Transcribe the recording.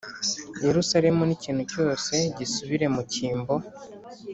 Yerusalemu ikintu cyose gisubire mu cyimbo